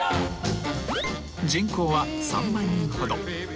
［人口は３万人ほど］